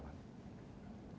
ini yang diperjuangkan nasdem